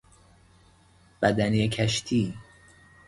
بدنهی کشتی